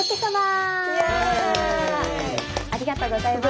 ありがとうございます。